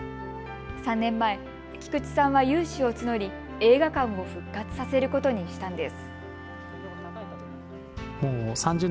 ３年前、菊池さんは有志を募り映画館を復活させることにしたんです。